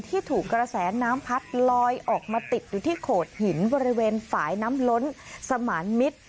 ถูกกระแสน้ำพัดลอยออกมาติดอยู่ที่โขดหินบริเวณฝ่ายน้ำล้นสมานมิตร